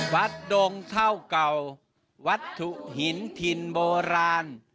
ดงเท่าเก่าวัตถุหินถิ่นโบราณ